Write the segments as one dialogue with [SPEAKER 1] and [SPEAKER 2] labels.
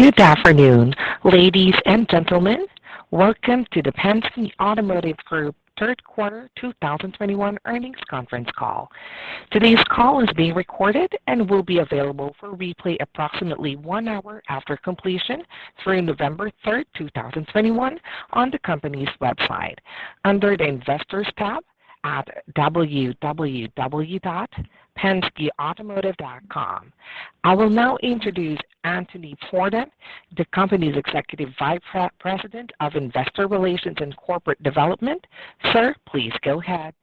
[SPEAKER 1] Good afternoon, ladies and gentlemen. Welcome to the Penske Automotive Group third quarter 2021 earnings conference call. Today's call is being recorded and will be available for replay approximately one hour after completion through November 3, 2021 on the company's website under the Investors tab at www.penskeautomotive.com. I will now introduce Anthony R. Pordon, the company's Executive Vice President of Investor Relations and Corporate Development. Sir, please go ahead.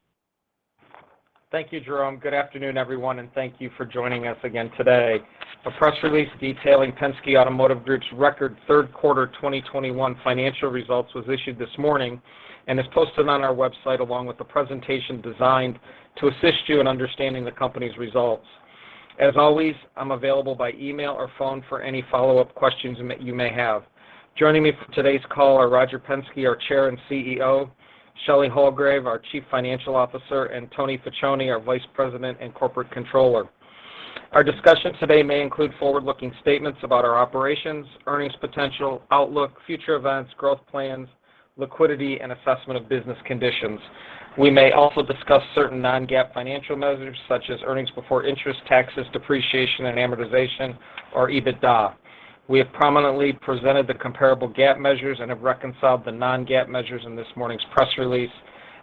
[SPEAKER 2] Thank you, Jerome. Good afternoon, everyone, and thank you for joining us again today. A press release detailing Penske Automotive Group's record third quarter 2021 financial results was issued this morning and is posted on our website, along with a presentation designed to assist you in understanding the company's results. As always, I'm available by email or phone for any follow-up questions you may have. Joining me for today's call are Roger Penske, our Chair and CEO, Shelley Hulgrave, our Chief Financial Officer, and Tony Facione, our Vice President and Corporate Controller. Our discussion today may include forward-looking statements about our operations, earnings potential, outlook, future events, growth plans, liquidity, and assessment of business conditions. We may also discuss certain non-GAAP financial measures, such as earnings before interest, taxes, depreciation, and amortization, or EBITDA. We have prominently presented the comparable GAAP measures and have reconciled the non-GAAP measures in this morning's press release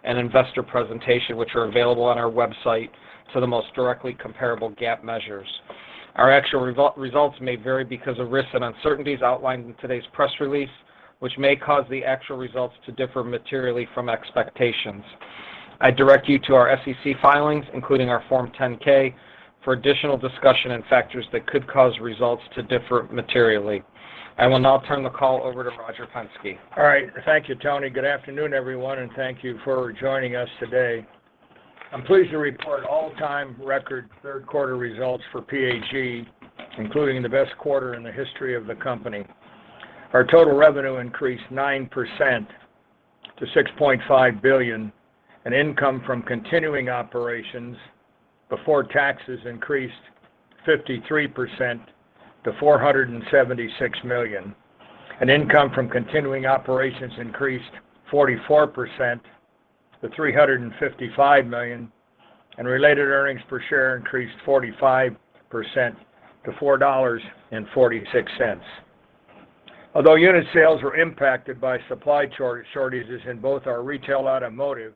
[SPEAKER 2] and investor presentation, which are available on our website for the most directly comparable GAAP measures. Our actual results may vary because of risks and uncertainties outlined in today's press release, which may cause the actual results to differ materially from expectations. I direct you to our SEC filings, including our Form 10-K, for additional discussion and factors that could cause results to differ materially. I will now turn the call over to Roger Penske.
[SPEAKER 3] All right. Thank you, Tony. Good afternoon, everyone, and thank you for joining us today. I'm pleased to report all-time record third quarter results for PAG, including the best quarter in the history of the company. Our total revenue increased 9% to $6.5 billion, and income from continuing operations before taxes increased 53% to $476 million. Income from continuing operations increased 44% to $355 million, and related earnings per share increased 45% to $4.46. Although unit sales were impacted by supply shortages in both our retail automotive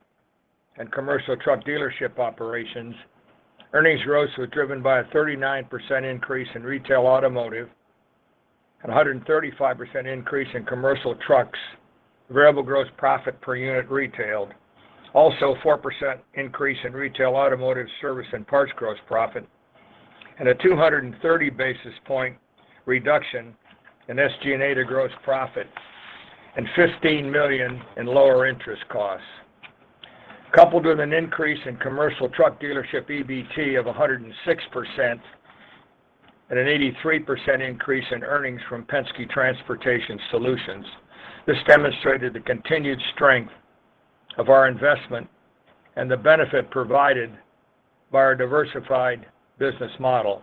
[SPEAKER 3] and commercial truck dealership operations, earnings growth was driven by a 39% increase in retail automotive, and a 135% increase in commercial trucks, variable gross profit per unit retailed. Also, 4% increase in retail automotive service and parts gross profit, and a 230 basis point reduction in SG&A to gross profit, and $15 million in lower interest costs. Coupled with an increase in commercial truck dealership EBT of 106% and an 83% increase in earnings from Penske Transportation Solutions, this demonstrated the continued strength of our investment and the benefit provided by our diversified business model.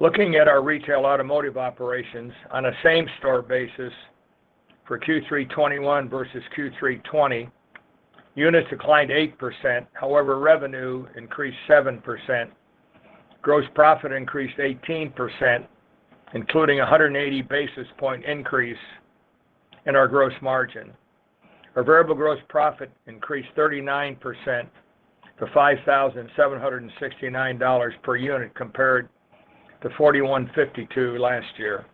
[SPEAKER 3] Looking at our retail automotive operations on a same-store basis for Q3 2021 versus Q3 2020, units declined 8%. However, revenue increased 7%. Gross profit increased 18%, including a 180 basis point increase in our gross margin. Our variable gross profit increased 39% to $5,769 per unit compared to $4,152 last year.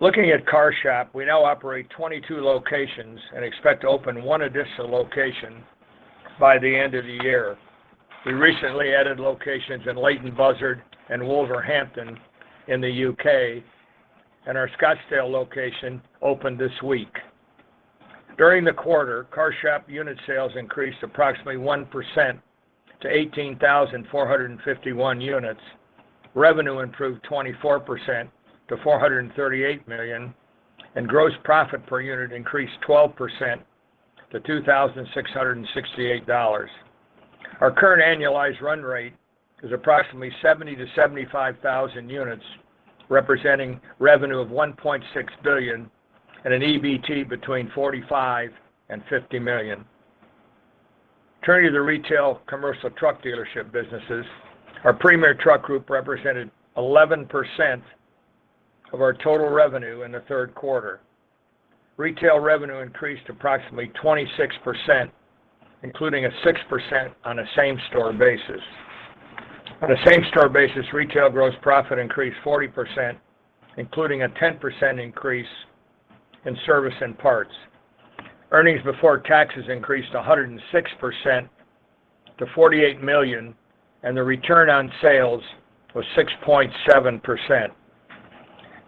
[SPEAKER 3] Looking at CarShop, we now operate 22 locations and expect to open one additional location by the end of the year. We recently added locations in Leighton Buzzard and Wolverhampton in the U.K., and our Scottsdale location opened this week. During the quarter, CarShop unit sales increased approximately 1% to 18,451 units. Revenue improved 24% to $438 million, and gross profit per unit increased 12% to $2,668. Our current annualized run rate is approximately 70,000-75,000 units, representing revenue of $1.6 billion and an EBT between $45-$50 million. Turning to the retail commercial truck dealership businesses, our Premier Truck Group represented 11% of our total revenue in the third quarter. Retail revenue increased approximately 26%, including a 6% on a same-store basis. On a same-store basis, retail gross profit increased 40%, including a 10% increase in service and parts. Earnings before taxes increased 106% to $48 million, and the return on sales was 6.7%.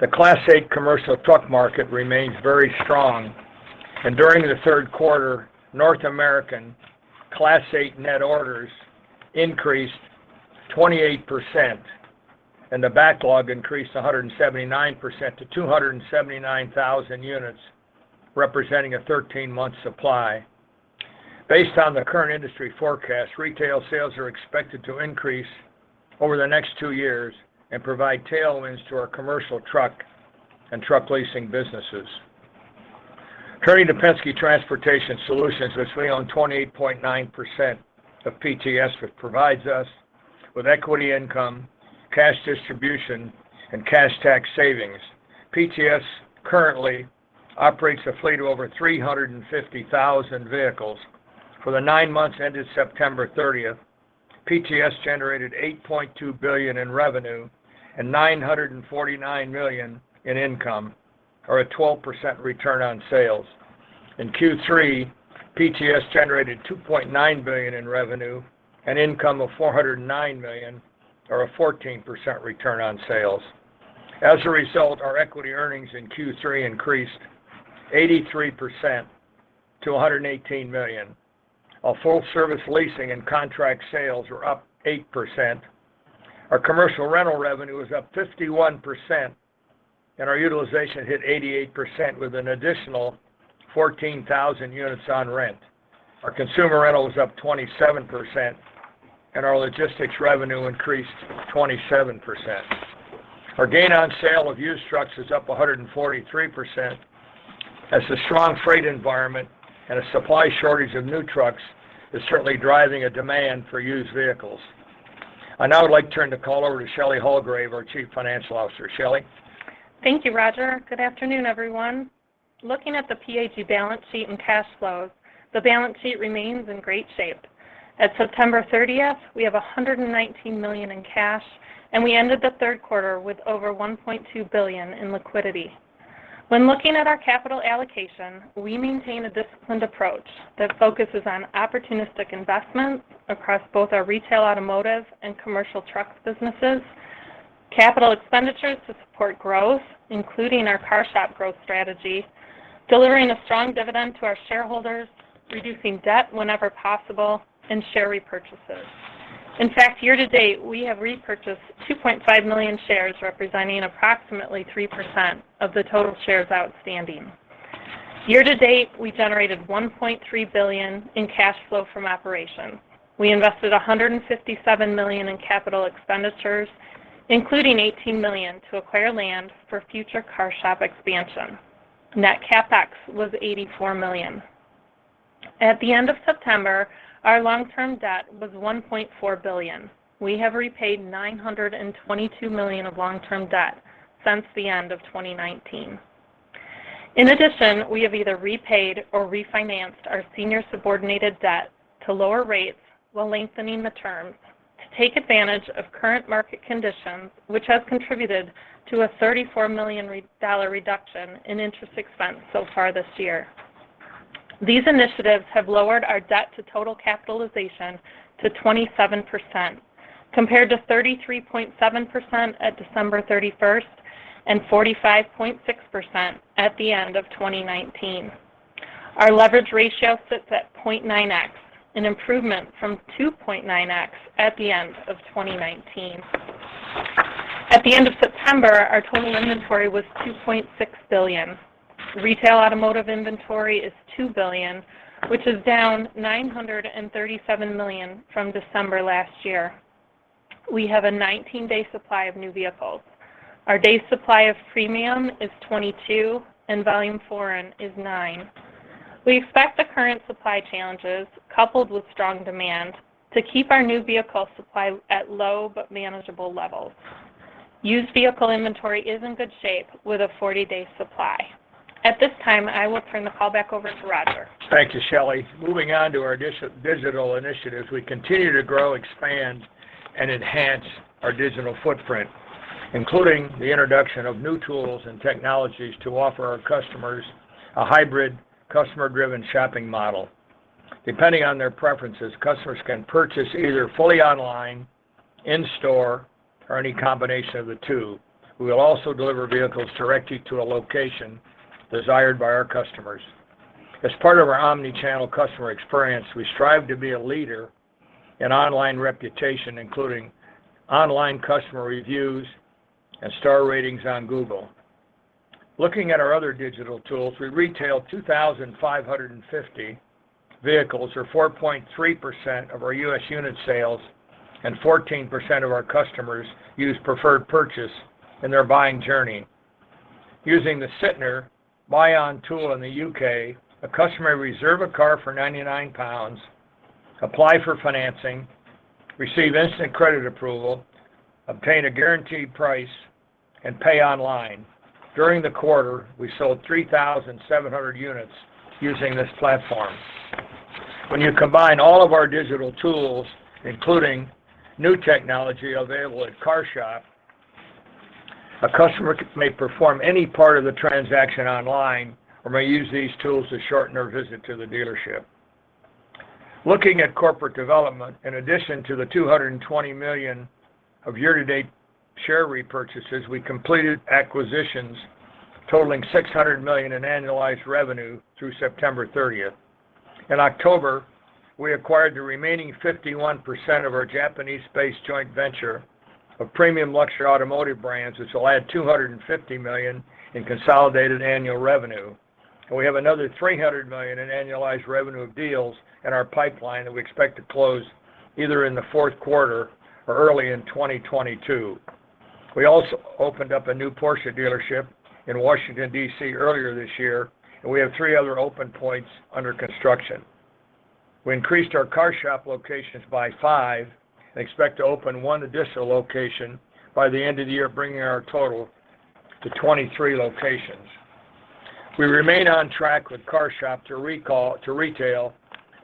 [SPEAKER 3] The Class 8 commercial truck market remains very strong. During the third quarter, North American Class 8 net orders increased 28%, and the backlog increased 179% to 279,000 units, representing a 13-month supply. Based on the current industry forecast, retail sales are expected to increase over the next two years and provide tailwinds to our commercial truck and truck leasing businesses. Turning to Penske Transportation Solutions, which we own 28.9% of PTS, which provides us with equity income, cash distribution, and cash tax savings. PTS currently operates a fleet of over 350,000 vehicles. For the nine months ended September 30, PTS generated $8.2 billion in revenue and $949 million in income, or a 12% return on sales. In Q3, PTS generated $2.9 billion in revenue and income of $409 million or a 14% return on sales. As a result, our equity earnings in Q3 increased 83% to $118 million. Our full-service leasing and contract sales were up 8%. Our commercial rental revenue was up 51%, and our utilization hit 88% with an additional 14,000 units on rent. Our consumer rental is up 27%, and our logistics revenue increased 27%. Our gain on sale of used trucks is up 143% as the strong freight environment and a supply shortage of new trucks is certainly driving a demand for used vehicles. I now would like to turn the call over to Shelley Hulgrave, our Chief Financial Officer. Shelley?
[SPEAKER 4] Thank you, Roger. Good afternoon, everyone. Looking at the PAG balance sheet and cash flow, the balance sheet remains in great shape. At September 30, we have $119 million in cash, and we ended the third quarter with over $1.2 billion in liquidity. When looking at our capital allocation, we maintain a disciplined approach that focuses on opportunistic investments across both our retail automotive and commercial truck businesses, capital expenditures to support growth, including our CarShop growth strategy, delivering a strong dividend to our shareholders, reducing debt whenever possible, and share repurchases. In fact, year to date, we have repurchased 2.5 million shares, representing approximately 3% of the total shares outstanding. Year to date, we generated $1.3 billion in cash flow from operations. We invested $157 million in capital expenditures, including $18 million to acquire land for future CarShop expansion. Net CapEx was $84 million. At the end of September, our long-term debt was $1.4 billion. We have repaid $922 million of long-term debt since the end of 2019. In addition, we have either repaid or refinanced our senior subordinated debt to lower rates while lengthening the terms to take advantage of current market conditions, which has contributed to a $34 million reduction in interest expense so far this year. These initiatives have lowered our debt to total capitalization to 27%, compared to 33.7% at December 31 and 45.6% at the end of 2019. Our leverage ratio sits at 0.9x, an improvement from 2.9x at the end of 2019. At the end of September, our total inventory was $2.6 billion. Retail automotive inventory is $2 billion, which is down $937 million from December last year. We have a 19-day supply of new vehicles. Our day supply of premium is 22, and volume foreign is 9. We expect the current supply challenges, coupled with strong demand, to keep our new vehicle supply at low but manageable levels. Used vehicle inventory is in good shape with a 40-day supply. At this time, I will turn the call back over to Roger.
[SPEAKER 3] Thank you, Shelley. Moving on to our digital initiatives, we continue to grow, expand, and enhance our digital footprint, including the introduction of new tools and technologies to offer our customers a hybrid customer-driven shopping model. Depending on their preferences, customers can purchase either fully online, in-store, or any combination of the two. We will also deliver vehicles directly to a location desired by our customers. As part of our omni-channel customer experience, we strive to be a leader in online reputation, including online customer reviews and star ratings on Google. Looking at our other digital tools, we retailed 2,550 vehicles or 4.3% of our U.S. unit sales and 14% of our customers use Preferred Purchase in their buying journey. Using the Sytner Buy Online tool in the U.K., a customer may reserve a car for 99 pounds, apply for financing, receive instant credit approval, obtain a guaranteed price, and pay online. During the quarter, we sold 3,700 units using this platform. When you combine all of our digital tools, including new technology available at CarShop, a customer may perform any part of the transaction online or may use these tools to shorten their visit to the dealership. Looking at corporate development, in addition to the $220 million of year-to-date share repurchases, we completed acquisitions totaling $600 million in annualized revenue through September 30. In October, we acquired the remaining 51% of our Japanese-based joint venture of premium luxury automotive brands. This will add $250 million in consolidated annual revenue. We have another $300 million in annualized revenue of deals in our pipeline that we expect to close either in the fourth quarter or early in 2022. We also opened up a new Porsche dealership in Washington, D.C. earlier this year, and we have 3 other open points under construction. We increased our CarShop locations by 5, and expect to open 1 additional location by the end of the year, bringing our total to 23 locations. We remain on track with CarShop to retail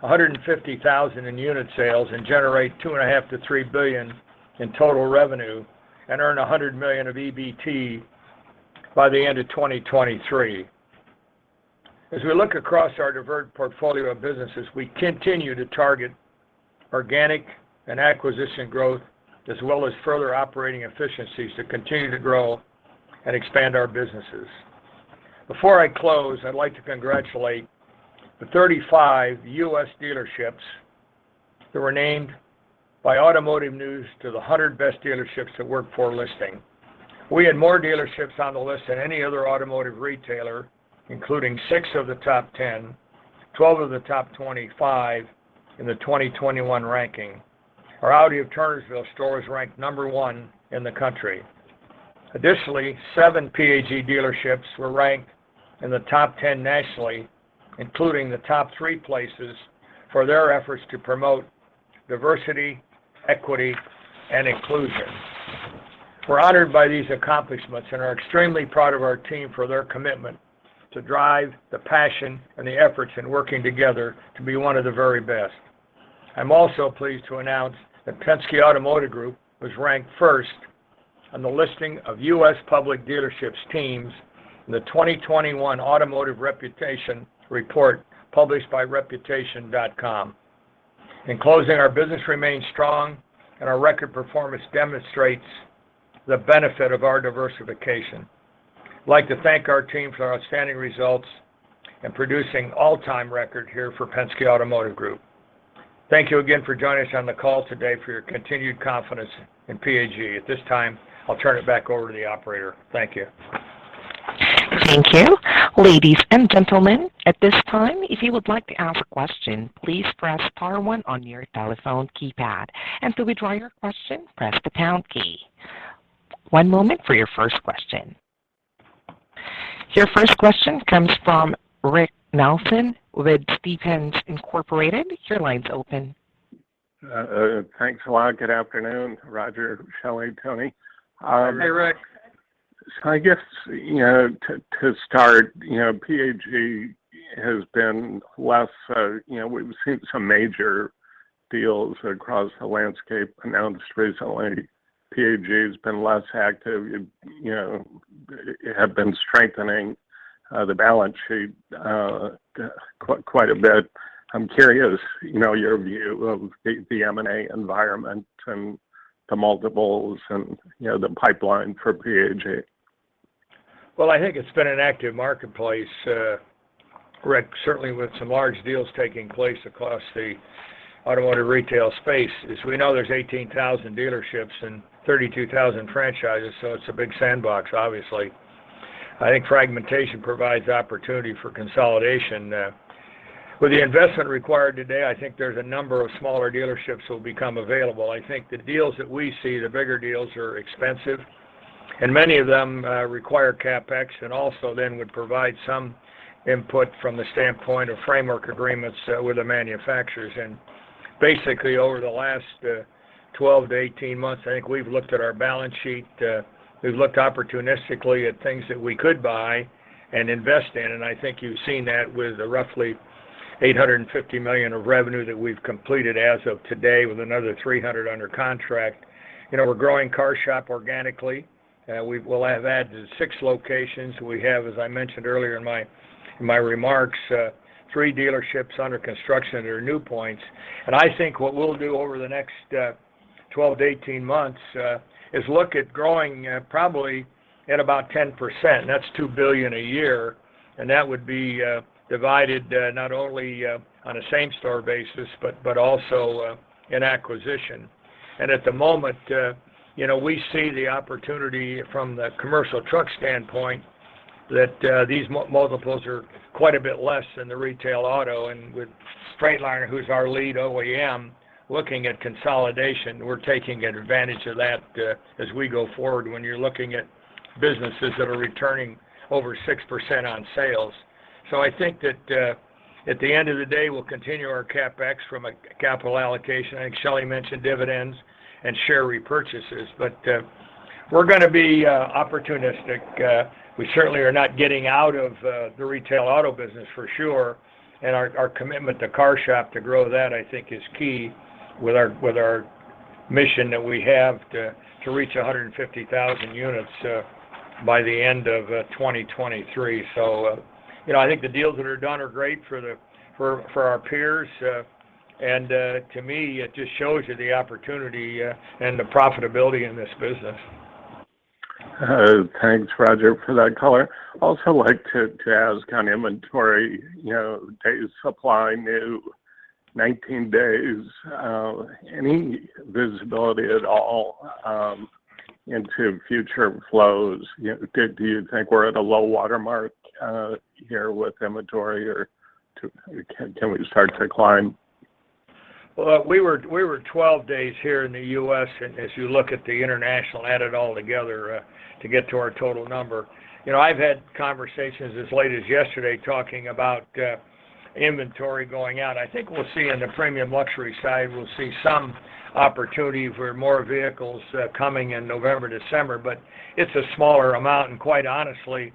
[SPEAKER 3] 150,000 in unit sales and generate $2.5 billion-$3 billion in total revenue and earn $100 million of EBT by the end of 2023. We look across our diverse portfolio of businesses. We continue to target organic and acquisition growth as well as further operating efficiencies to continue to grow and expand our businesses. Before I close, I'd like to congratulate the 35 U.S. dealerships that were named by Automotive News to the 100 best dealerships to work for listing. We had more dealerships on the list than any other automotive retailer, including six of the top 10, 12 of the top 25 in the 2021 ranking. Our Audi Turnersville store is ranked number one in the country. Additionally, seven PAG dealerships were ranked in the top 10 nationally, including the top three places for their efforts to promote diversity, equity, and inclusion. We're honored by these accomplishments and are extremely proud of our team for their commitment to drive the passion and the efforts in working together to be one of the very best. I'm also pleased to announce that Penske Automotive Group was ranked first on the listing of U.S. public dealership groups in the 2021 Automotive Reputation Report published by Reputation.com. In closing, our business remains strong and our record performance demonstrates the benefit of our diversification. I'd like to thank our team for our outstanding results in producing all-time record year for Penske Automotive Group. Thank you again for joining us on the call today for your continued confidence in PAG. At this time, I'll turn it back over to the operator. Thank you.
[SPEAKER 1] Thank you. Ladies and gentlemen, at this time, if you would like to ask a question, please press star one on your telephone keypad. To withdraw your question, press the pound key. One moment for your first question. Your first question comes from Rick Nelson with Stephens Inc. Your line's open.
[SPEAKER 5] Thanks a lot. Good afternoon, Ro ger, Shelley, Tony.
[SPEAKER 3] Hey, Rick.
[SPEAKER 5] I guess, you know, to start, you know, PAG has been less, you know, we've seen some major deals across the landscape announced recently. PAG has been less active. You know, you have been strengthening the balance sheet quite a bit. I'm curious, you know, your view of the M&A environment and the multiples and, you know, the pipeline for PAG.
[SPEAKER 3] Well, I think it's been an active marketplace, Rick, certainly with some large deals taking place across the automotive retail space. As we know, there's 18,000 dealerships and 32,000 franchises, so it's a big sandbox, obviously. I think fragmentation provides opportunity for consolidation. With the investment required today, I think there's a number of smaller dealerships will become available. I think the deals that we see, the bigger deals are expensive, and many of them require CapEx, and also then would provide some input from the standpoint of framework agreements with the manufacturers. Basically, over the last 12-18 months, I think we've looked at our balance sheet, we've looked opportunistically at things that we could buy and invest in. I think you've seen that with the roughly $850 million of revenue that we've completed as of today with another $300 million under contract. You know, we're growing CarShop organically. We'll have added 6 locations. We have, as I mentioned earlier in my remarks, 3 dealerships under construction that are new points. I think what we'll do over the next 12-18 months is look at growing probably at about 10%. That's $2 billion a year. That would be divided not only on a same store basis, but also in acquisition. At the moment, you know, we see the opportunity from the commercial truck standpoint that these multiples are quite a bit less than the retail auto. With Freightliner, who's our lead OEM, looking at consolidation, we're taking advantage of that as we go forward when you're looking at businesses that are returning over 6% on sales. I think that at the end of the day, we'll continue our CapEx from a capital allocation. I think Shelley mentioned dividends and share repurchases. We're gonna be opportunistic. We certainly are not getting out of the retail auto business for sure. Our commitment to CarShop to grow that I think is key with our mission that we have to reach 150,000 units by the end of 2023. You know, I think the deals that are done are great for our peers. To me, it just shows you the opportunity and the profitability in this business.
[SPEAKER 5] Thanks, Roger, for that color. I also like to ask on inventory, you know, days supply, new 19 days, any visibility at all into future flows? You know, do you think we're at a low watermark here with inventory or too? Can we start to climb?
[SPEAKER 3] Well, we were 12 days here in the U.S., and as you look at the international, add it all together to get to our total number. You know, I've had conversations as late as yesterday talking about inventory going out. I think we'll see in the premium luxury side some opportunity for more vehicles coming in November, December. But it's a smaller amount, and quite honestly,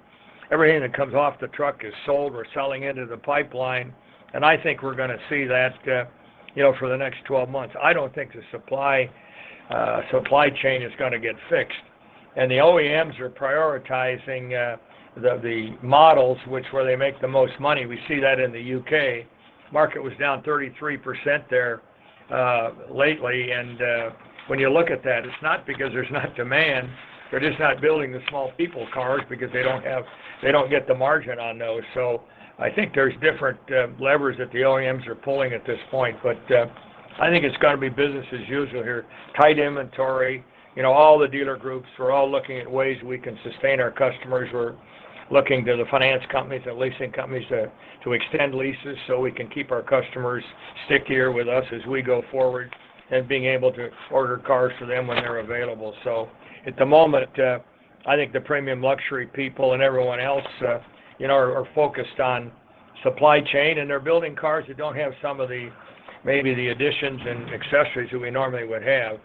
[SPEAKER 3] everything that comes off the truck is sold. We're selling into the pipeline, and I think we're gonna see that, you know, for the next 12 months. I don't think the supply chain is gonna get fixed. The OEMs are prioritizing the models where they make the most money. We see that in the U.K. Market was down 33% there lately, and when you look at that, it's not because there's not demand. They're just not building the small people cars because they don't get the margin on those. I think there's different levers that the OEMs are pulling at this point. I think it's gonna be business as usual here. Tight inventory, you know, all the dealer groups, we're all looking at ways we can sustain our customers. We're looking to the finance companies and leasing companies to extend leases so we can keep our customers stickier with us as we go forward and being able to order cars for them when they're available. At the moment, I think the premium luxury people and everyone else, you know, are focused on supply chain, and they're building cars that don't have some of the maybe the additions and accessories that we normally would have.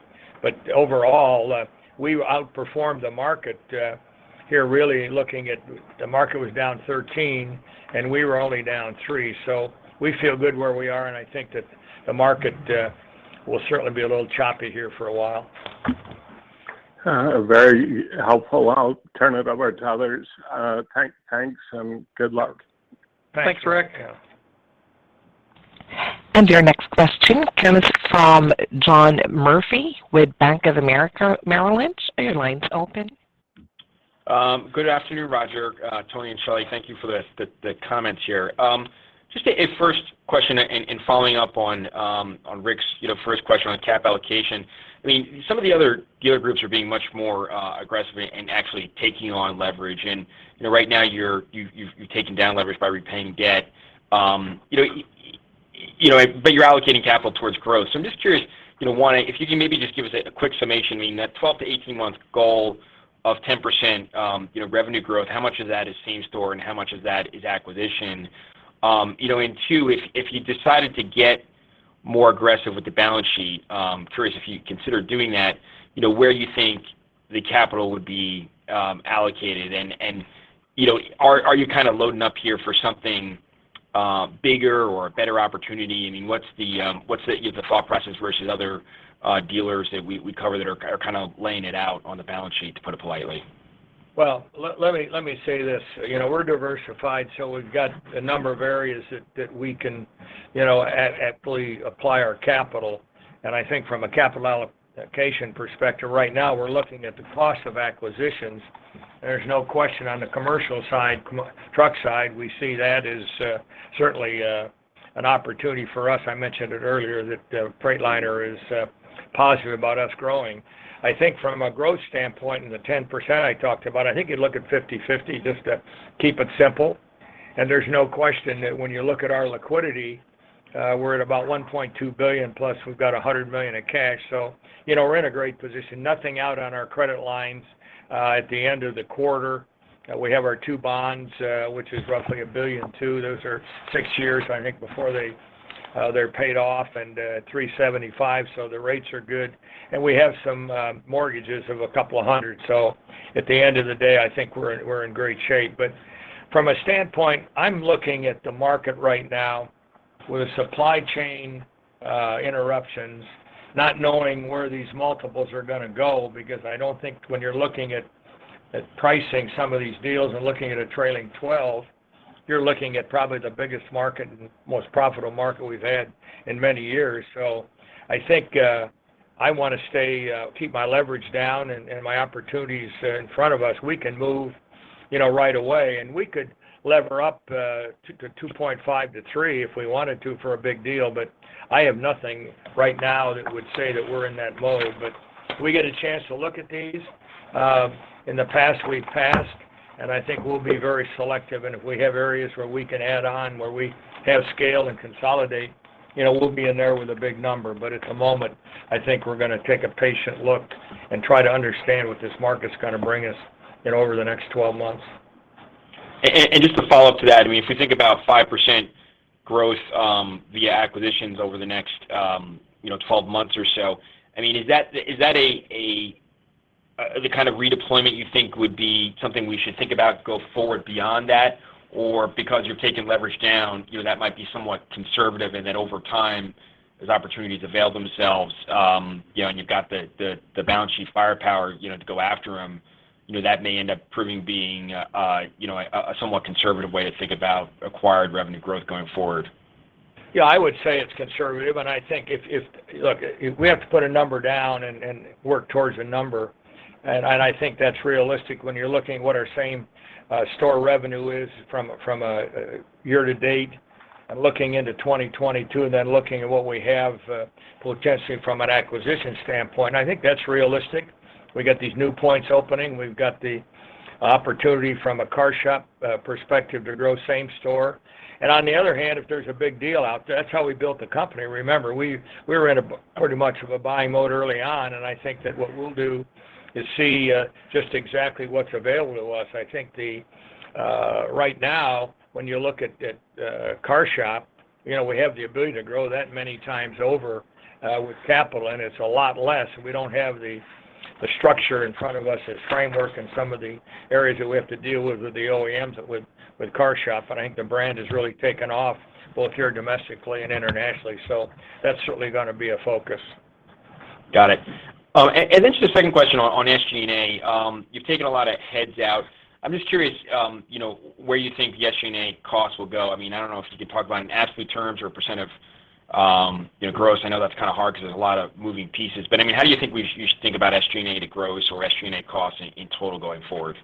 [SPEAKER 3] But overall, we've outperformed the market, here really looking at the market was down 13%, and we were only down 3%. We feel good where we are, and I think that the market will certainly be a little choppy here for a while.
[SPEAKER 5] Very helpful. I'll turn it over to others. Thanks and good luck.
[SPEAKER 3] Thanks, Rick.
[SPEAKER 5] Thanks. Yeah.
[SPEAKER 1] Your next question comes from John Murphy with Bank of America Merrill Lynch. Your line's open.
[SPEAKER 6] Good afternoon, Roger, Tony, and Shelley. Thank you for the comments here. Just a first question and following up on Rick's first question on capital allocation. I mean, some of the other dealer groups are being much more aggressive and actually taking on leverage. You know, right now you've taken down leverage by repaying debt. You know, but you're allocating capital towards growth. So I'm just curious, you know, one, if you can maybe just give us a quick summation, I mean, that 12-18 month goal of 10% revenue growth, how much of that is same store and how much of that is acquisition? You know, two, if you decided to get more aggressive with the balance sheet, curious if you consider doing that, you know, where you think the capital would be allocated? You know, are you kind of loading up here for something bigger or a better opportunity? I mean, what's the, you know, the thought process versus other dealers that we cover that are kind of laying it out on the balance sheet to put it politely?
[SPEAKER 3] Well, let me say this. You know, we're diversified, so we've got a number of areas that we can, you know, aptly apply our capital. I think from a capital allocation perspective, right now we're looking at the cost of acquisitions. There's no question on the commercial truck side, we see that as certainly an opportunity for us. I mentioned it earlier that Freightliner is positive about us growing. I think from a growth standpoint and the 10% I talked about, I think you'd look at 50/50 just to keep it simple. There's no question that when you look at our liquidity, we're at about $1.2 billion plus we've got $100 million in cash. You know, we're in a great position. Nothing out on our credit lines at the end of the quarter. We have our two bonds, which is roughly $1.2 billion. Those are 6 years, I think, before they're paid off and 3.75%, so the rates are good. We have some mortgages of $200 million. At the end of the day, I think we're in great shape. From a standpoint, I'm looking at the market right now with supply chain interruptions, not knowing where these multiples are gonna go because I don't think when you're looking at pricing some of these deals and looking at a trailing twelve, you're looking at probably the biggest market and most profitable market we've had in many years. I think I want to stay, keep my leverage down and my opportunities in front of us. We can move, you know, right away, and we could lever up 2-2.5-3 if we wanted to for a big deal. I have nothing right now that would say that we're in that mode. We get a chance to look at these, in the past we've passed, and I think we'll be very selective. If we have areas where we can add on, where we have scale and consolidate, you know, we'll be in there with a big number. At the moment, I think we're gonna take a patient look and try to understand what this market's gonna bring us in over the next 12 months.
[SPEAKER 6] Just to follow up to that, I mean, if we think about 5% growth via acquisitions over the next, you know, 12 months or so, I mean, is that a the kind of redeployment you think would be something we should think about go forward beyond that? Or because you're taking leverage down, you know, that might be somewhat conservative and then over time as opportunities avail themselves, you know, and you've got the balance sheet firepower, you know, to go after them, you know, that may end up proving being, you know, a somewhat conservative way to think about acquired revenue growth going forward.
[SPEAKER 3] Yeah, I would say it's conservative, and I think. Look, if we have to put a number down and work towards a number, and I think that's realistic when you're looking at what our same store revenue is from a year-to-date and looking into 2022, and then looking at what we have potentially from an acquisition standpoint. I think that's realistic. We got these new points opening. We've got the opportunity from a CarShop perspective to grow same store. On the other hand, if there's a big deal out there, that's how we built the company. Remember, we were in pretty much of a buying mode early on, and I think that what we'll do is see just exactly what's available to us. I think the... Right now, when you look at CarShop, you know, we have the ability to grow that many times over with capital, and it's a lot less. We don't have the structure in front of us, this framework in some of the areas that we have to deal with the OEMs with CarShop. I think the brand has really taken off both here domestically and internationally. That's certainly gonna be a focus.
[SPEAKER 6] Got it. And then just a second question on SG&A. You've taken a lot of heads out. I'm just curious, you know, where you think the SG&A costs will go. I mean, I don't know if you could talk about it in absolute terms or percent of, you know, gross. I know that's kind of hard because there's a lot of moving pieces. I mean, how do you think about SG&A to gross or SG&A costs in total going forward?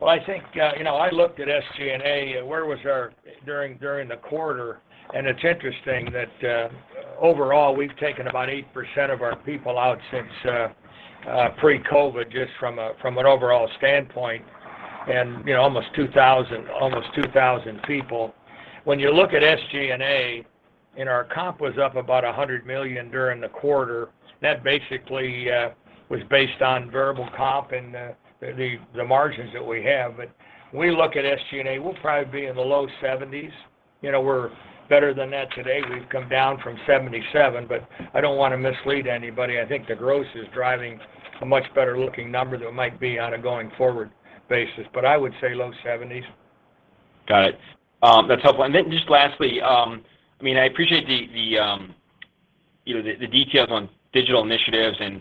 [SPEAKER 3] Well, I think, you know, I looked at SG&A, where was our SG&A during the quarter, and it's interesting that overall, we've taken about 8% of our people out since pre-COVID, just from an overall standpoint and, you know, almost 2,000 people. When you look at SG&A and our comp was up about $100 million during the quarter, that basically was based on variable comp and the margins that we have. We look at SG&A, we'll probably be in the low 70s. You know, we're better than that today. We've come down from 77, but I don't wanna mislead anybody. I think the gross is driving a much better-looking number than it might be on a going-forward basis. I would say low 70s.
[SPEAKER 6] Got it. That's helpful. Just lastly, I mean, I appreciate the details on digital initiatives, and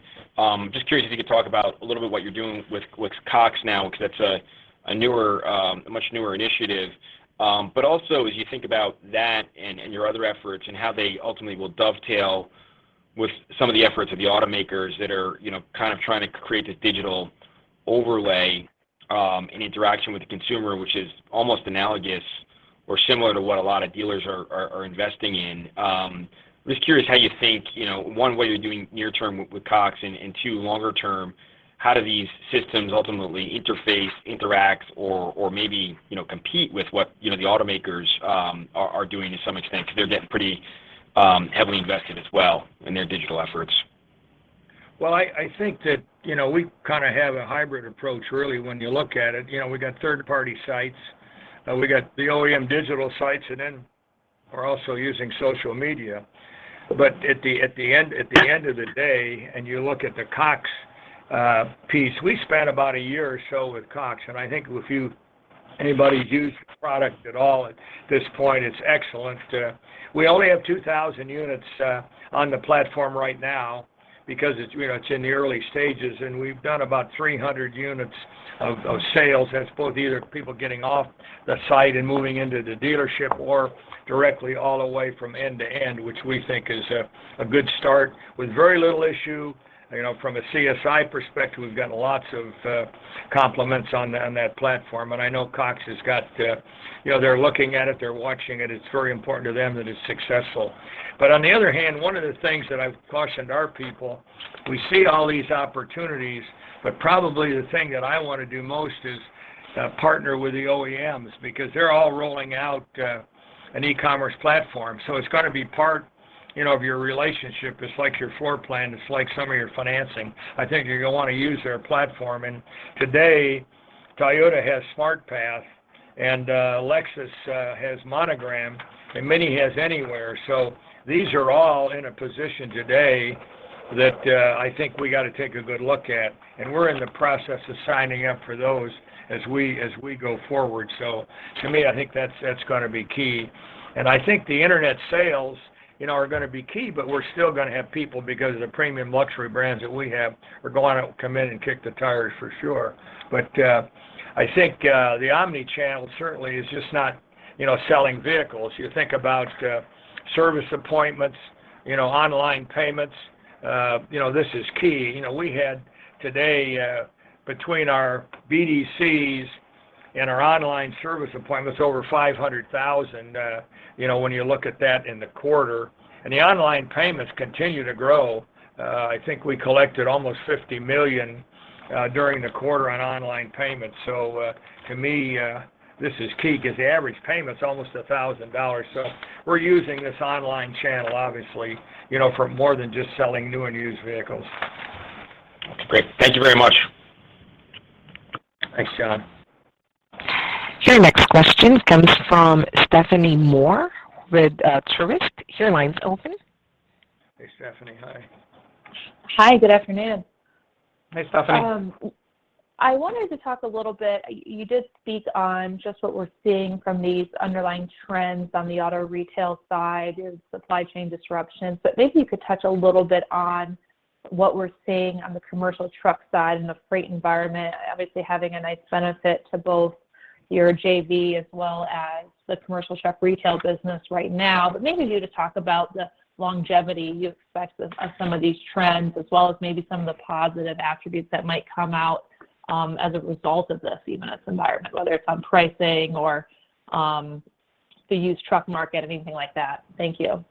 [SPEAKER 6] just curious if you could talk about a little bit what you're doing with Cox now because that's a much newer initiative. Also as you think about that and your other efforts and how they ultimately will dovetail with some of the efforts of the automakers that are you know kind of trying to create this digital overlay and interaction with the consumer, which is almost analogous or similar to what a lot of dealers are investing in. Just curious how you think, you know, one, what you're doing near term with Cox, and two, longer-term, how do these systems ultimately interface, interact or maybe, you know, compete with what, you know, the automakers are doing to some extent because they're getting pretty heavily invested as well in their digital efforts?
[SPEAKER 3] Well, I think that, you know, we kinda have a hybrid approach really when you look at it. You know, we got third-party sites. We got the OEM digital sites, and then we're also using social media. At the end of the day, and you look at the Cox piece, we spent about a year or so with Cox, and I think if anybody's used the product at all at this point, it's excellent. We only have 2,000 units on the platform right now because it's, you know, it's in the early stages, and we've done about 300 units of sales. That's both either people getting off the site and moving into the dealership or directly all the way from end to end, which we think is a good start with very little issue. You know, from a CSI perspective, we've gotten lots of compliments on that platform, and I know Cox has got. You know, they're looking at it, they're watching it. It's very important to them that it's successful. On the other hand, one of the things that I've cautioned our people, we see all these opportunities, but probably the thing that I want to do most is partner with the OEMs because they're all rolling out an e-commerce platform. It's got to be part, you know, of your relationship. It's like your floor plan. It's like some of your financing. I think you're gonna want to use their platform. Today, Toyota has SmartPath, and Lexus has Monogram, and Mini has Anywhere. These are all in a position today that, I think we got to take a good look at, and we're in the process of signing up for those as we go forward. To me, I think that's gonna be key. I think the internet sales, you know, are gonna be key, but we're still gonna have people because of the premium luxury brands that we have are gonna come in and kick the tires for sure. I think the omni-channel certainly is just not, you know, selling vehicles. You think about service appointments, you know, online payments, you know, this is key. You know, we had today between our BDCs and our online service appointments, over 500,000 when you look at that in the quarter. The online payments continue to grow. I think we collected almost $50 million during the quarter on online payments. To me, this is key because the average payment's almost $1,000. We're using this online channel obviously, you know, for more than just selling new and used vehicles.
[SPEAKER 6] Great. Thank you very much.
[SPEAKER 3] Thanks, John.
[SPEAKER 1] Your next question comes from Stephanie Moore with Truist. Your line's open.
[SPEAKER 3] Hey, Stephanie. Hi.
[SPEAKER 7] Hi. Good afternoon.
[SPEAKER 3] Hey, Stephanie.
[SPEAKER 7] I wanted to talk a little bit. You did speak on just what we're seeing from these underlying trends on the auto retail side and supply chain disruptions, but maybe you could touch a little bit on what we're seeing on the commercial truck side and the freight environment obviously having a nice benefit to both your JV as well as the commercial truck retail business right now. Maybe you just talk about the longevity you expect of some of these trends, as well as maybe some of the positive attributes that might come out, as a result of this, even this environment, whether it's on pricing or, the used truck market, anything like that. Thank you.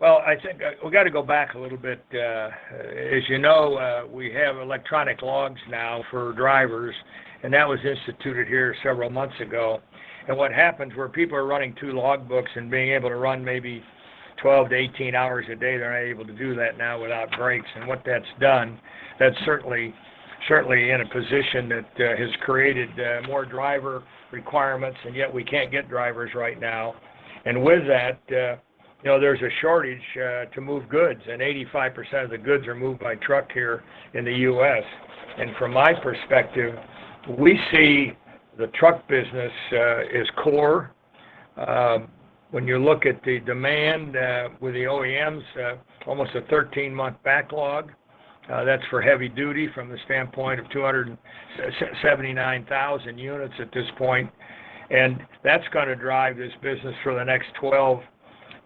[SPEAKER 3] Well, I think we've got to go back a little bit. As you know, we have electronic logs now for drivers, and that was instituted here several months ago. What happens where people are running two logbooks and being able to run maybe 12-18 hours a day, they're not able to do that now without breaks. What that's done, that's certainly in a position that has created more driver requirements, and yet we can't get drivers right now. With that, you know, there's a shortage to move goods, and 85% of the goods are moved by truck here in the U.S. From my perspective, we see the truck business as core. When you look at the demand with the OEMs, almost a 13-month backlog. That's for heavy duty from the standpoint of 279,000 units at this point. That's gonna drive this business for the next 12,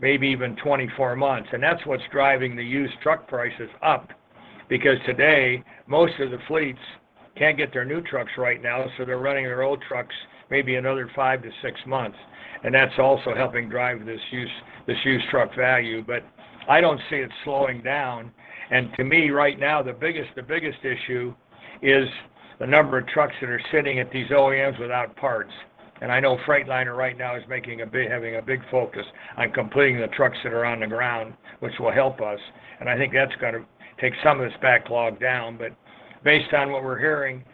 [SPEAKER 3] maybe even 24 months. That's what's driving the used truck prices up. Because today, most of the fleets can't get their new trucks right now, so they're running their old trucks maybe another five to six months. That's also helping drive this used truck value. I don't see it slowing down. To me right now, the biggest issue is the number of trucks that are sitting at these OEMs without parts. I know Freightliner right now is having a big focus on completing the trucks that are on the ground, which will help us. I think that's gonna take some of this backlog down. Based on what we're hearing,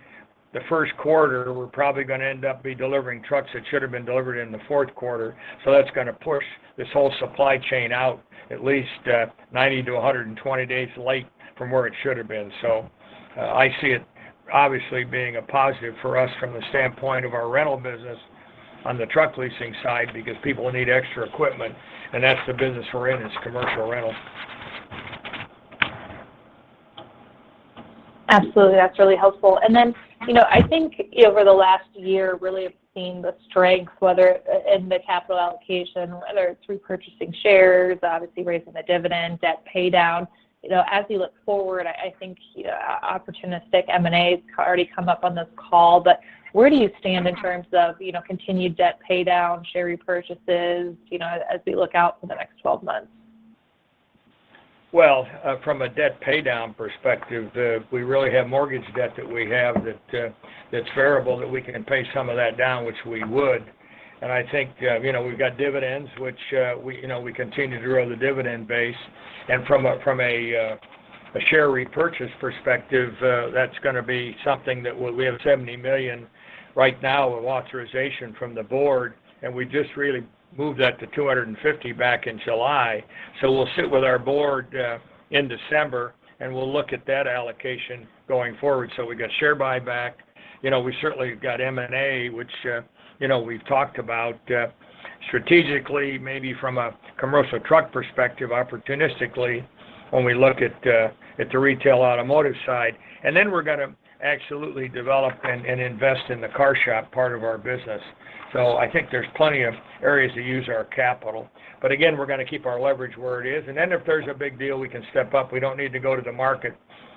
[SPEAKER 3] the first quarter, we're probably gonna end up be delivering trucks that should have been delivered in the fourth quarter. That's gonna push this whole supply chain out at least 90-120 days late from where it should have been. I see it obviously being a positive for us from the standpoint of our rental business on the truck leasing side because people need extra equipment, and that's the business we're in, is commercial rental.
[SPEAKER 7] Absolutely. That's really helpful. You know, I think over the last year, really have seen the strength, whether in the capital allocation, whether it's repurchasing shares, obviously raising the dividend, debt paydown. You know, as we look forward, I think opportunistic M&A has already come up on this call, but where do you stand in terms of, you know, continued debt paydown, share repurchases, you know, as we look out for the next 12 months?
[SPEAKER 3] Well, from a debt paydown perspective, we really have mortgage debt that we have that's variable that we can pay some of that down, which we would. I think you know, we've got dividends, which we you know, we continue to grow the dividend base. From a share repurchase perspective, that's gonna be something that we'll have $70 million right now with authorization from the board, and we just really moved that to $250 million back in July. We'll sit with our board in December, and we'll look at that allocation going forward. We got share buyback. You know, we certainly have got M&A, which you know, we've talked about strategically, maybe from a commercial truck perspective, opportunistically when we look at the retail automotive side. We're gonna absolutely develop and invest in the CarShop part of our business. I think there's plenty of areas to use our capital. Again, we're gonna keep our leverage where it is. If there's a big deal, we can step up. We don't need to go to the market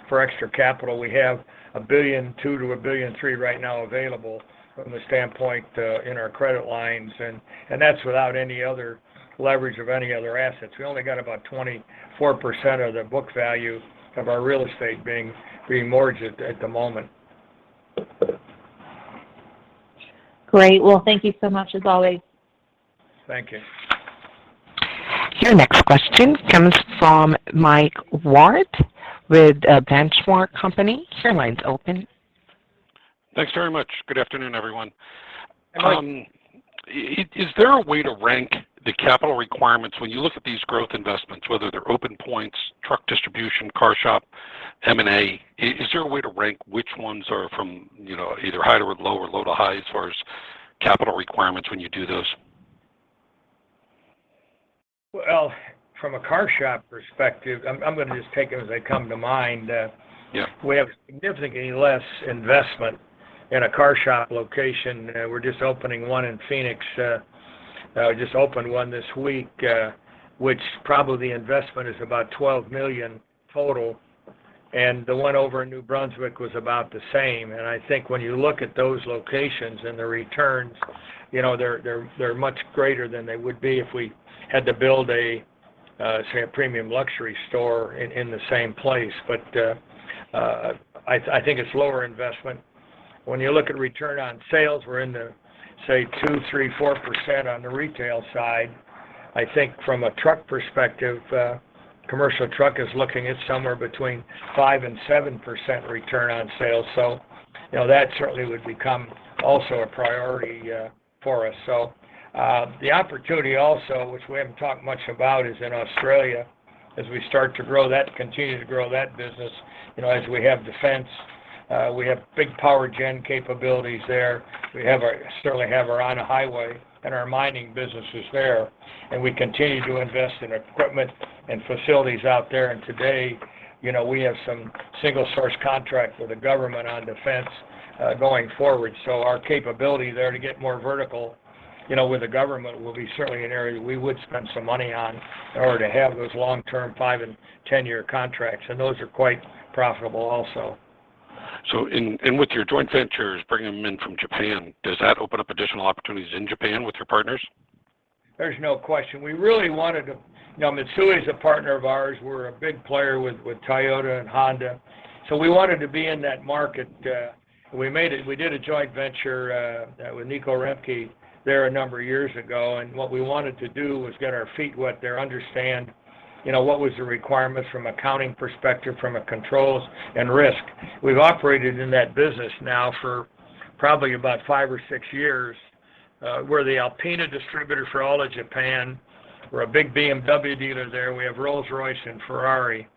[SPEAKER 3] for extra capital. We have $1.2 billion-$1.3 billion right now available from the standpoint in our credit lines, and that's without any other leverage of any other assets. We only got about 24% of the book value of our real estate being mortgaged at the moment.
[SPEAKER 7] Great. Well, thank you so much as always.
[SPEAKER 3] Thank you.
[SPEAKER 1] Your next question comes from Mike Ward with The Benchmark Company. Your line's open.
[SPEAKER 8] Thanks very much. Good afternoon, everyone.
[SPEAKER 3] Hi.
[SPEAKER 8] Is there a way to rank the capital requirements when you look at these growth investments, whether they're OpenPoints, truck distribution, CarShop, M&A? Is there a way to rank which ones are from, you know, either high to low or low to high as far as capital requirements when you do those?
[SPEAKER 3] Well, from a CarShop perspective, I'm gonna just take them as they come to mind.
[SPEAKER 8] Yeah.
[SPEAKER 3] We have significantly less investment in a CarShop location. We're just opening one in Phoenix, just opened one this week, which probably investment is about $12 million total, and the one over in New Brunswick was about the same. I think when you look at those locations and the returns, you know, they're much greater than they would be if we had to build a, say a premium luxury store in the same place. I think it's lower investment. When you look at return on sales, we're in the, say, 2%, 3%, 4% on the retail side. I think from a truck perspective, commercial truck is looking at somewhere between 5% and 7% return on sales. You know, that certainly would become also a priority for us. The opportunity also, which we haven't talked much about, is in Australia, as we continue to grow that business, you know, as we have defense. We have big power gen capabilities there. We have our on-highway and our mining businesses there, and we continue to invest in equipment and facilities out there. Today, you know, we have some single-source contracts with the government on defense, going forward. Our capability there to get more vertical, you know, with the government will be certainly an area we would spend some money on in order to have those long-term five- and ten-year contracts. Those are quite profitable also.
[SPEAKER 8] With your joint ventures, bringing them in from Japan, does that open up additional opportunities in Japan with your partners?
[SPEAKER 3] There's no question. Now, Mitsui is a partner of ours. We're a big player with Toyota and Honda, so we wanted to be in that market, and we made it. We did a joint venture with Niko Remke there a number of years ago. What we wanted to do was get our feet wet there, understand what was the requirements from accounting perspective, from a controls and risk. We've operated in that business now for probably about five or six years. We're the Alpina distributor for all of Japan. We're a big BMW dealer there. We have Rolls-Royce and Ferrari,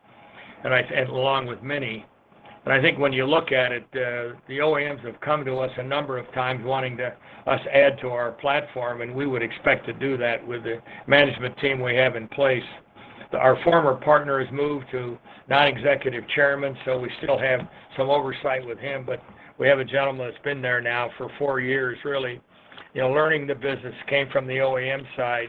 [SPEAKER 3] along with many. I think when you look at it, the OEMs have come to us a number of times wanting us to add to our platform, and we would expect to do that with the management team we have in place. Our former partner has moved to non-executive chairman, so we still have some oversight with him, but we have a gentleman that's been there now for four years, really, you know, learning the business, came from the OEM side.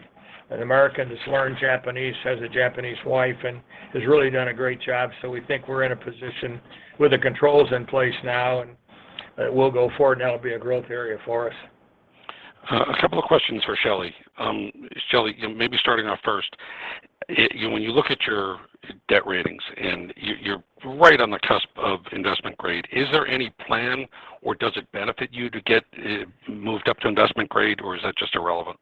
[SPEAKER 3] An American that's learned Japanese, has a Japanese wife, and has really done a great job. We think we're in a position with the controls in place now, and we'll go forward, and that'll be a growth area for us.
[SPEAKER 8] A couple of questions for Shelley. Shelley, you know, maybe starting off first, you know, when you look at your debt ratings and you're right on the cusp of investment grade, is there any plan or does it benefit you to get moved up to investment grade, or is that just irrelevant?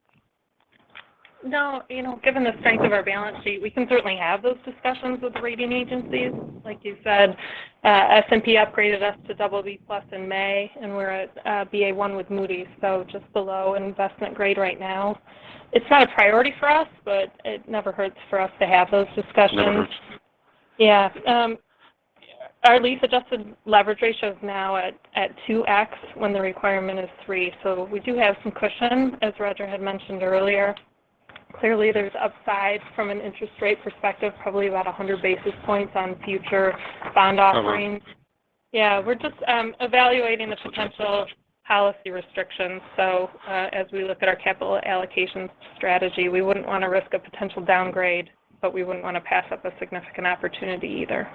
[SPEAKER 4] No. You know, given the strength of our balance sheet, we can certainly have those discussions with the rating agencies. Like you said, S&P upgraded us to BB+ in May, and we're at Ba1 with Moody's, so just below investment grade right now. It's not a priority for us, but it never hurts for us to have those discussions.
[SPEAKER 8] Never hurts.
[SPEAKER 4] Yeah. Our lease-adjusted leverage ratio is now at 2x when the requirement is 3. We do have some cushion, as Roger had mentioned earlier. Clearly, there's upside from an interest rate perspective, probably about 100 basis points on future bond offerings.
[SPEAKER 8] Cover.
[SPEAKER 4] Yeah. We're just evaluating the potential policy restrictions. As we look at our capital allocation strategy, we wouldn't want to risk a potential downgrade, but we wouldn't want to pass up a significant opportunity either.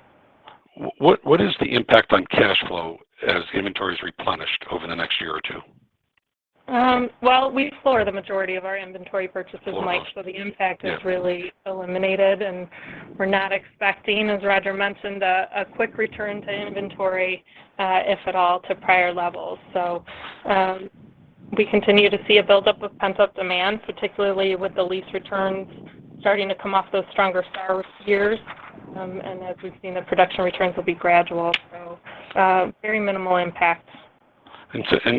[SPEAKER 8] What is the impact on cash flow as inventory is replenished over the next year or two?
[SPEAKER 4] Well, we floor the majority of our inventory purchases, Mike.
[SPEAKER 8] Floor them.
[SPEAKER 4] The impact is.
[SPEAKER 8] Yeah.
[SPEAKER 4] really eliminated. We're not expecting, as Roger mentioned, a quick return to inventory, if at all, to prior levels. We continue to see a buildup of pent-up demand, particularly with the lease returns starting to come off those stronger SAAR years. As we've seen, the production returns will be gradual, so very minimal impact.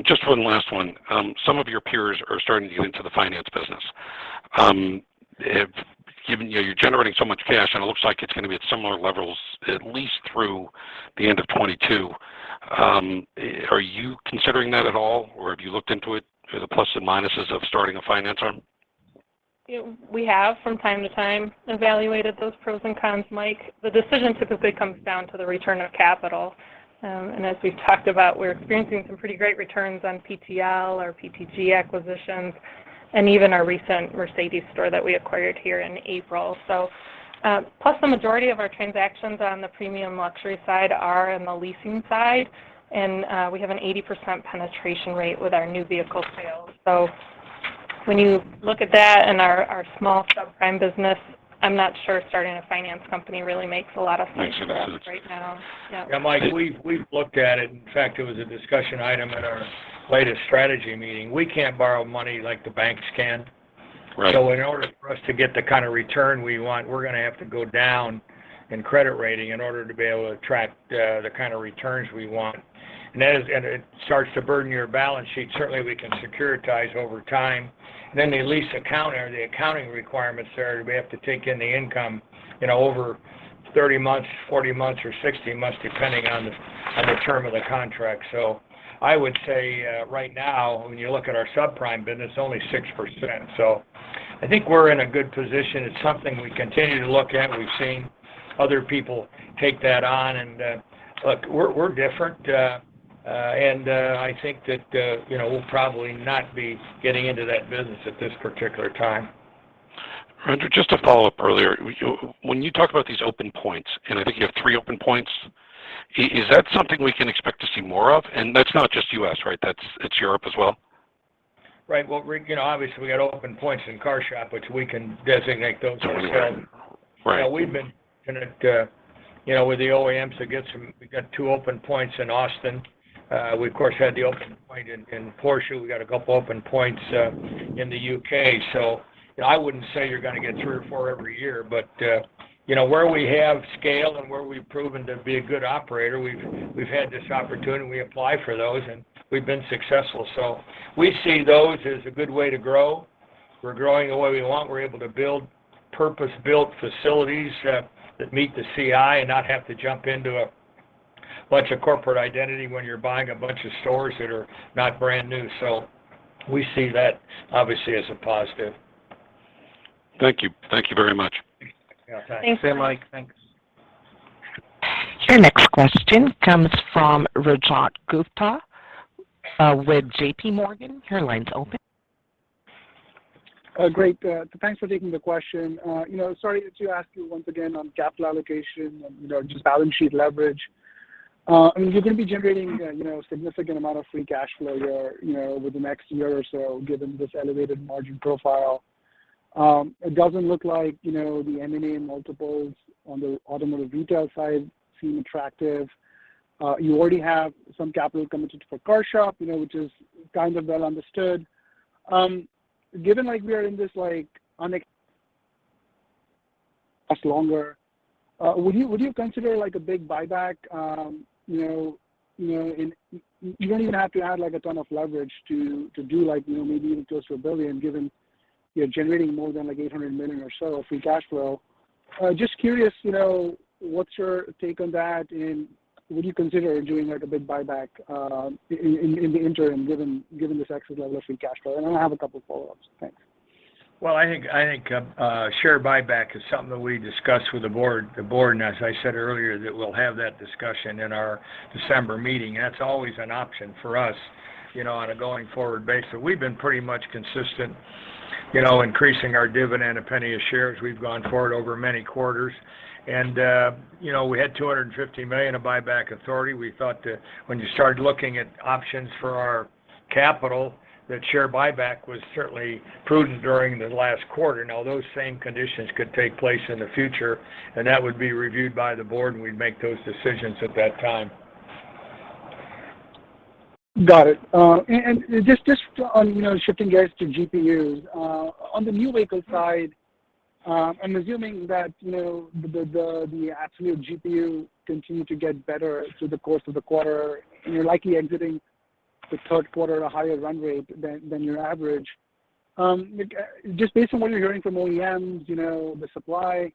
[SPEAKER 8] Just one last one. Some of your peers are starting to get into the finance business. If given, you know, you're generating so much cash and it looks like it's gonna be at similar levels at least through the end of 2022, are you considering that at all, or have you looked into it? The plus and minuses of starting a finance arm?
[SPEAKER 4] You know, we have from time to time evaluated those pros and cons, Mike. The decision typically comes down to the return of capital. As we've talked about, we're experiencing some pretty great returns on PTL, our PTG acquisitions, and even our recent Mercedes store that we acquired here in April. Plus the majority of our transactions on the premium luxury side are in the leasing side, and we have an 80% penetration rate with our new vehicle sales. When you look at that and our small subprime business, I'm not sure starting a finance company really makes a lot of sense.
[SPEAKER 8] Makes a lot of sense.
[SPEAKER 4] for us right now. Yeah.
[SPEAKER 3] Mike, we've looked at it. In fact, it was a discussion item at our latest strategy meeting. We can't borrow money like the banks can.
[SPEAKER 8] Right.
[SPEAKER 3] In order for us to get the kind of return we want, we're gonna have to go down in credit rating in order to be able to attract the kind of returns we want. It starts to burden your balance sheet. Certainly, we can securitize over time. The lease accounting requirements there, we have to take in the income, you know, over 30 months, 40 months or 60 months, depending on the term of the contract. I would say, right now, when you look at our subprime business, only 6%. I think we're in a good position. It's something we continue to look at. We've seen other people take that on. Look, we're different. I think that, you know, we'll probably not be getting into that business at this particular time.
[SPEAKER 8] Roger, just to follow up earlier. You, when you talk about these open points, and I think you have three open points, is that something we can expect to see more of? That's not just U.S., right? That's, it's Europe as well?
[SPEAKER 3] Right. Well, you know, obviously, we got open points in CarShop, which we can designate those as well.
[SPEAKER 8] Right.
[SPEAKER 3] You know, we've been connected, you know, with the OEMs to get some. We've got 2 open points in Austin. We of course had the open point in Porsche. We got a couple open points in the U.K. I wouldn't say you're gonna get 3 or 4 every year. You know, where we have scale and where we've proven to be a good operator, we've had this opportunity. We apply for those, and we've been successful. We see those as a good way to grow. We're growing the way we want. We're able to build purpose-built facilities that meet the CI and not have to jump into a bunch of corporate identity when you're buying a bunch of stores that are not brand new. We see that obviously as a positive.
[SPEAKER 8] Thank you. Thank you very much.
[SPEAKER 3] Yeah. Thanks.
[SPEAKER 8] Thanks, Roger.
[SPEAKER 3] Same, Mike. Thanks.
[SPEAKER 1] Your next question comes from Rajat Gupta with J.P. Morgan. Your line's open.
[SPEAKER 9] Great. Thanks for taking the question. You know, sorry to ask you once again on capital allocation and, you know, just balance sheet leverage. I mean, you're gonna be generating, you know, significant amount of free cash flow here, you know, over the next year or so, given this elevated margin profile. It doesn't look like, you know, the M&A multiples on the automotive retail side seem attractive. You already have some capital committed for CarShop, you know, which is kind of well understood. Given we are in this unexpectedly longer, would you consider like a big buyback, you know, and you don't even have to add like a ton of leverage to do like, you know, maybe even close to $1 billion, given you're generating more than like $800 million or so of free cash flow. Just curious, you know, what's your take on that, and would you consider doing like a big buyback in the interim, given this excess level of free cash flow? Then I have a couple follow-ups. Thanks.
[SPEAKER 3] I think a share buyback is something that we discuss with the board, and as I said earlier, that we'll have that discussion in our December meeting. That's always an option for us, you know, on a going forward basis. We've been pretty much consistent, you know, increasing our dividend $0.01 a share as we've gone forward over many quarters. You know, we had $250 million in buyback authority. We thought that when you start looking at options for our capital, that share buyback was certainly prudent during the last quarter. Now those same conditions could take place in the future, and that would be reviewed by the board, and we'd make those decisions at that time.
[SPEAKER 9] Got it. Just on, you know, shifting gears to GPUs. On the new vehicle side, I'm assuming that, you know, the absolute GPU continue to get better through the course of the quarter, and you're likely entering the third quarter at a higher run rate than your average. Just based on what you're hearing from OEMs, you know, the supply,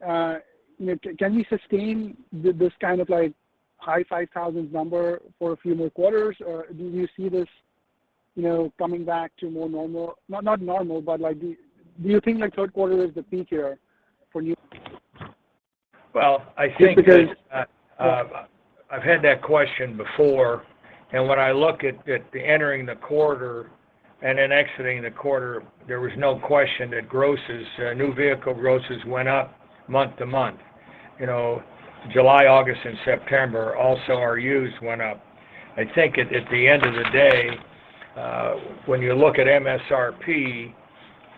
[SPEAKER 9] you know, can we sustain this kind of like high 5,000s number for a few more quarters? Or do you see this, you know, coming back to more normal, not normal, but like do you think like third quarter is the peak here for you?
[SPEAKER 3] Well, I think.
[SPEAKER 9] Just because-
[SPEAKER 3] I've had that question before, when I look at the entering the quarter and then exiting the quarter, there was no question that grosses new vehicle grosses went up month-to-month. You know, July, August, and September, also our used went up. I think at the end of the day, when you look at MSRP,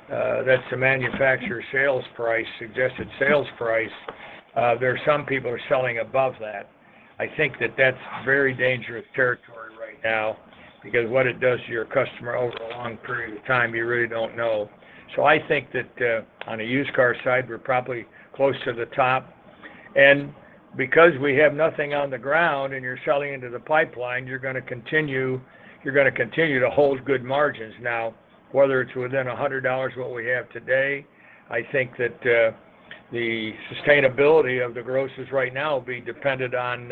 [SPEAKER 3] that's the manufacturer sales price, suggested sales price, there's some people are selling above that. I think that that's very dangerous territory right now because what it does to your customer over a long period of time, you really don't know. I think that on a used car side, we're probably close to the top. Because we have nothing on the ground and you're selling into the pipeline, you're gonna continue to hold good margins. Now, whether it's within $100 what we have today, I think that the sustainability of the grosses right now will be dependent on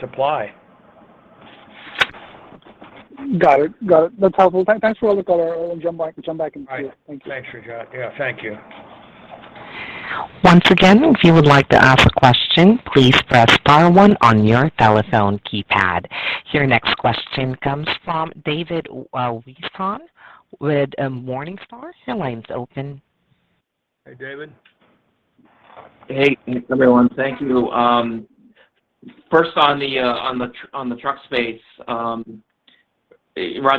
[SPEAKER 3] supply.
[SPEAKER 9] Got it. That's helpful. Thanks for the call. I'll jump back in the queue.
[SPEAKER 3] All right.
[SPEAKER 9] Thanks.
[SPEAKER 3] Thanks, Rajat. Yeah, thank you.
[SPEAKER 1] Once again, if you would like to ask a question, please press star one on your telephone keypad. Your next question comes from David Whiston with Morningstar. Your line's open.
[SPEAKER 3] Hey, David.
[SPEAKER 10] Hey, everyone. Thank you. First on the truck space, Roger,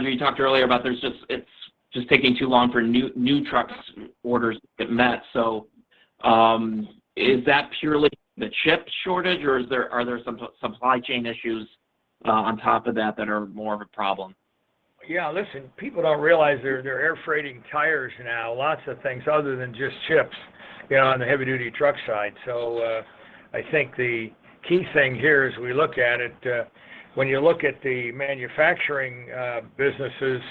[SPEAKER 10] you talked earlier about it's just taking too long for new truck orders to get met. Is that purely the chip shortage or are there some supply chain issues on top of that that are more of a problem?
[SPEAKER 3] Yeah, listen, people don't realize they're air freighting tires now, lots of things other than just chips, you know, on the heavy-duty truck side. I think the key thing here as we look at it, when you look at the manufacturing, businesses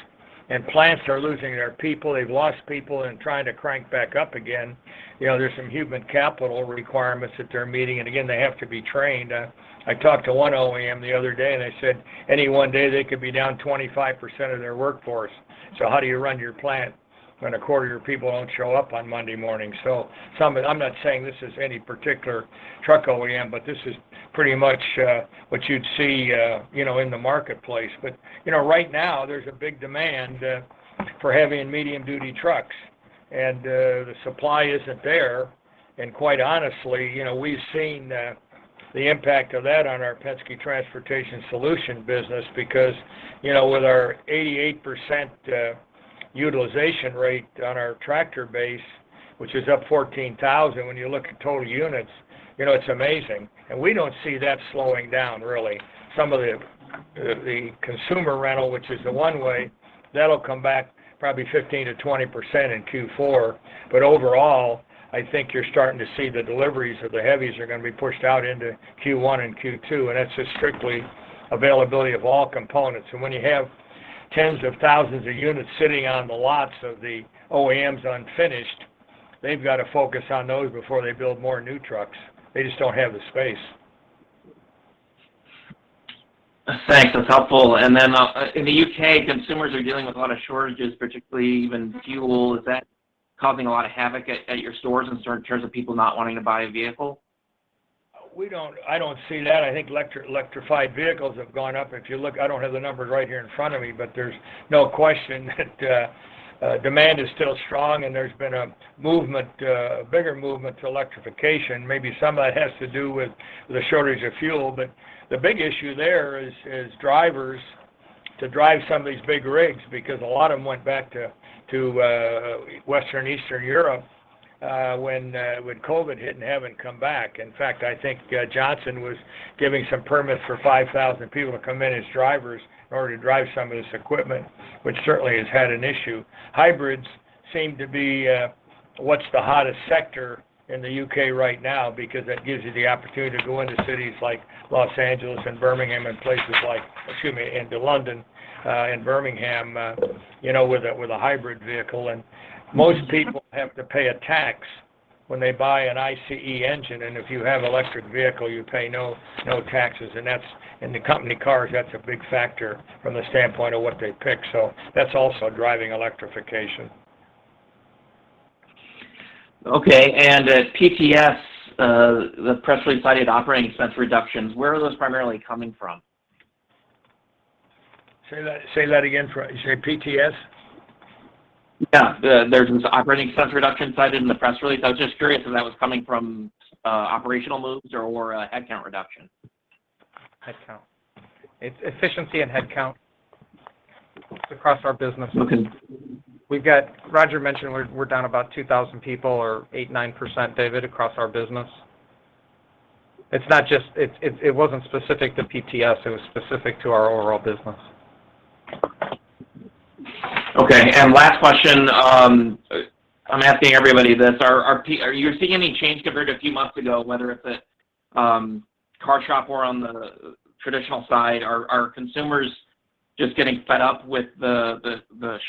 [SPEAKER 3] and plants are losing their people, they've lost people and trying to crank back up again, you know, there's some human capital requirements that they're meeting, and again, they have to be trained. I talked to one OEM the other day, and they said any one day they could be down 25% of their workforce. How do you run your plant when a quarter of your people don't show up on Monday morning? I'm not saying this is any particular truck OEM, but this is pretty much what you'd see, you know, in the marketplace. You know, right now there's a big demand for heavy and medium-duty trucks, and the supply isn't there. Quite honestly, you know, we've seen the impact of that on our Penske Transportation Solutions business because, you know, with our 88% utilization rate on our tractor base, which is up 14,000 when you look at total units, you know, it's amazing. We don't see that slowing down really. Some of the consumer rental, which is the one way, that'll come back probably 15%-20% in Q4. Overall, I think you're starting to see the deliveries of the heavies are gonna be pushed out into Q1 and Q2, and that's just strictly availability of all components. When you have tens of thousands of units sitting on the lots of the OEMs unfinished. They've got to focus on those before they build more new trucks. They just don't have the space.
[SPEAKER 10] Thanks. That's helpful. In the U.K., consumers are dealing with a lot of shortages, particularly even fuel. Is that causing a lot of havoc at your stores in terms of people not wanting to buy a vehicle?
[SPEAKER 3] I don't see that. I think electrified vehicles have gone up. If you look, I don't have the numbers right here in front of me, but there's no question that demand is still strong and there's been a movement, a bigger movement to electrification. Maybe some of that has to do with the shortage of fuel. But the big issue there is drivers to drive some of these big rigs because a lot of them went back to Western, Eastern Europe when COVID hit and haven't come back. In fact, I think Boris Johnson was giving some permits for 5,000 people to come in as drivers in order to drive some of this equipment, which certainly has had an issue. Hybrids seem to be what's the hottest sector in the U.K. right now because that gives you the opportunity to go into cities like London and Birmingham, you know, with a hybrid vehicle. Most people have to pay a tax when they buy an ICE engine, and if you have electric vehicle, you pay no taxes. That's, in the company cars, a big factor from the standpoint of what they pick. That's also driving electrification.
[SPEAKER 10] Okay. At PTS, the press release cited operating expense reductions. Where are those primarily coming from?
[SPEAKER 3] Say that, say that again. You said PTS?
[SPEAKER 10] Yeah. There's operating expense reduction cited in the press release. I was just curious if that was coming from operational moves or a headcount reduction.
[SPEAKER 11] Headcount. It's efficiency and headcount across our business.
[SPEAKER 10] Okay.
[SPEAKER 11] Roger mentioned we're down about 2,000 people or 8%-9%, David, across our business. It wasn't specific to PTS. It was specific to our overall business.
[SPEAKER 10] Okay. Last question, I'm asking everybody this. Are you seeing any change compared to a few months ago, whether it's a CarShop or on the traditional side? Are consumers just getting fed up with the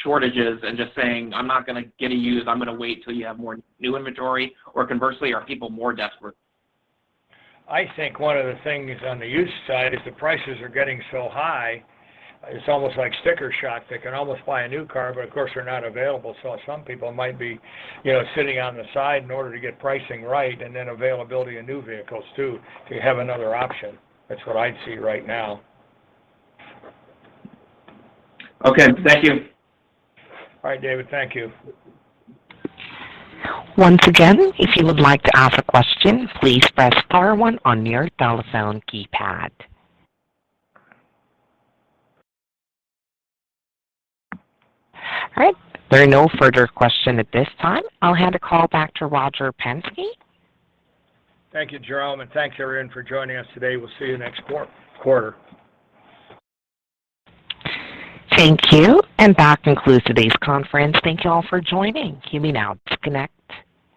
[SPEAKER 10] shortages and just saying, "I'm not gonna get a used. I'm gonna wait till you have more new inventory"? Or conversely, are people more desperate?
[SPEAKER 3] I think one of the things on the used side is the prices are getting so high, it's almost like sticker shock. They can almost buy a new car, but of course, they're not available. Some people might be, you know, sitting on the side in order to get pricing right and then availability of new vehicles too, to have another option. That's what I'd see right now.
[SPEAKER 10] Okay. Thank you.
[SPEAKER 3] All right, David. Thank you.
[SPEAKER 1] Once again, if you would like to ask a question, please press star one on your telephone keypad. All right. There are no further questions at this time. I'll hand the call back to Roger Penske.
[SPEAKER 3] Thank you, Jerome, and thanks everyone for joining us today. We'll see you next quarter.
[SPEAKER 1] Thank you. That concludes today's conference. Thank you all for joining. You may now disconnect.